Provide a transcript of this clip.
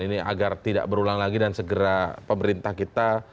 ini agar tidak berulang lagi dan segera pemerintah kita